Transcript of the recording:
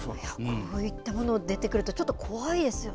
こういったもの、出てくると、ちょっと怖いですよね。